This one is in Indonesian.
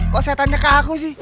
pasarnya kakak aku sih